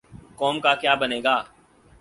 قوم کا کیا بنے گا؟